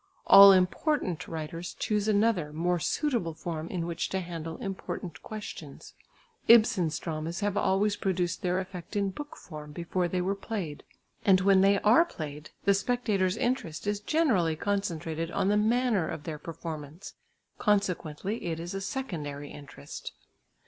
All important writers choose another, more suitable form in which to handle important questions. Ibsen's dramas have always produced their effect in book form before they were played; and when they are played, the spectators' interest is generally concentrated on the manner of their performance; consequently it is a secondary interest.